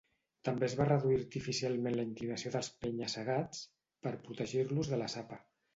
També es va reduir artificialment la inclinació dels penya-segats per protegir-los de la sapa.